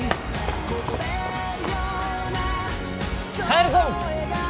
帰るぞ！